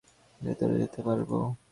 ভেতরে যেতে পারবো?